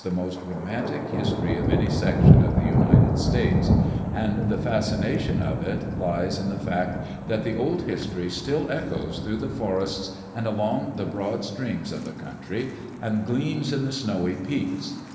Digitized by CjOOQ IC EARLY DAYS IN OLD OREGON most romantic history of any section of the United States, and the fascination of it lies in the fact that the old history still echoes through the forests and along the broad streams of the country, and gleams in the snowy peaks.